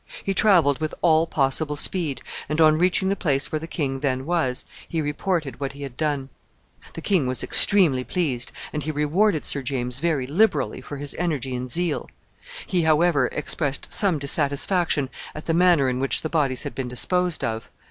He traveled with all possible speed, and, on reaching the place where the king then was, he reported what he had done. The king was extremely pleased, and he rewarded Sir James very liberally for his energy and zeal; he, however, expressed some dissatisfaction at the manner in which the bodies had been disposed of.